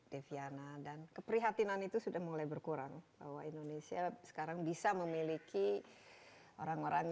deviana dan keprihatinan itu sudah mulai berkurang bahwa indonesia sekarang bisa memiliki orang orang